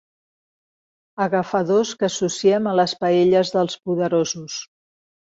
Agafadors que associem a les paelles dels poderosos.